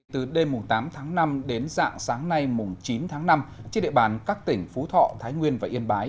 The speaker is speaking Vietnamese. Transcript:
từ đêm tám tháng năm đến dạng sáng nay chín tháng năm trên địa bàn các tỉnh phú thọ thái nguyên và yên bái